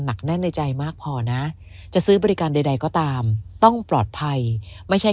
แน่นในใจมากพอนะจะซื้อบริการใดก็ตามต้องปลอดภัยไม่ใช่